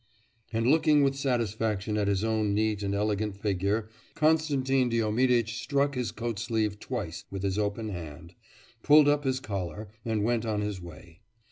And looking with satisfaction at his own neat and elegant figure, Konstantin Diomiditch struck his coat sleeve twice with his open hand, pulled up his collar, and went on his way.